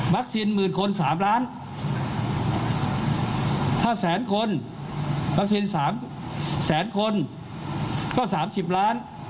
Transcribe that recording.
หมื่นคน๓ล้านถ้าแสนคนวัคซีน๓แสนคนก็๓๐ล้าน